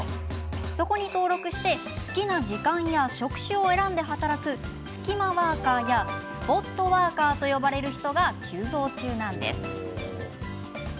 そこに登録して好きな時間や職種を選んで働くスキマワーカーやスポットワーカーと呼ばれる人が急増中なんです。